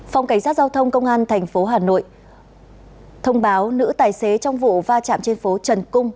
phòng cảnh sát giao thông công an thành phố hà nội thông báo nữ tài xế trong vụ va chạm trên phố trần cung